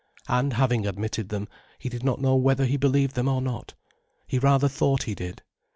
And having admitted them, he did not know whether he believed them or not; he rather thought he did.